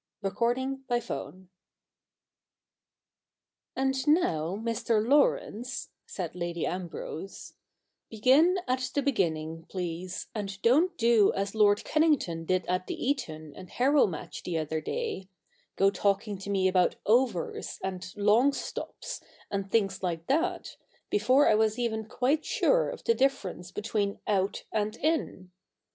CHAPTER n ' And now, Mr. Laurence,' said Lady Ambrose, ' begin at the beginning, please, and don't do as Lord Kennington did at the Eton and Harrow match the other day — go talking to me about "overs," and " long stops," and things cii. ij THE NEW REPUBLIC 127 like that, before I was even quite sure of the difterence between " out ' and " in."